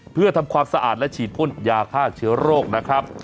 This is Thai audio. เพื่อทำความสะอาดและฉีดพ่นยาฆ่าเชื้อโรคนะครับ